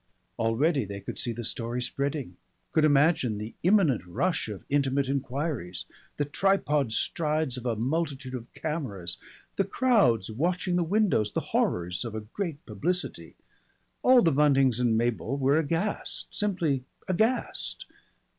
Already they could see the story spreading, could imagine the imminent rush of intimate enquiries, the tripod strides of a multitude of cameras, the crowds watching the windows, the horrors of a great publicity. All the Buntings and Mabel were aghast, simply aghast.